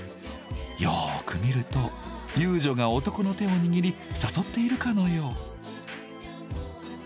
よく見ると遊女が男の手を握り誘っているかのよう。